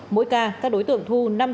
mỗi ca các đối tượng thu